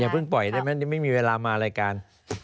เพิ่งปล่อยได้ไหมไม่มีเวลามารายการ